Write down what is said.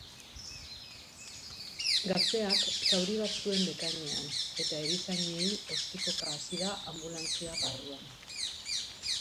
Gazteak zauri bat zuen bekainean eta erizainei ostikoka hasi da anbulantzia barruan.